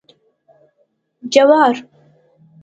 🌽 جوار